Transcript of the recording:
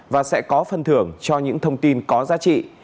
và sẽ có phân thưởng cho những thông tin có giá trị